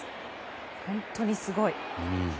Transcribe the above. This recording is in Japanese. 本当にすごい。